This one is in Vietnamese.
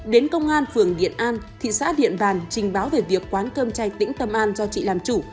đến công an phường điện an thị xã điện bàn trình báo về việc quán cơm chai tĩnh tâm an do chị làm chủ